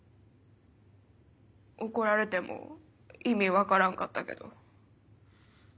怒られても意味分からんかったけど。